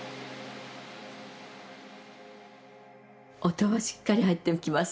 音はしっかり入ってきます